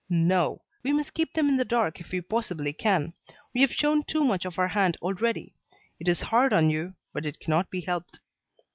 No; we must keep them in the dark if we possibly can. We have shown too much of our hand already. It is hard on you, but it cannot be helped."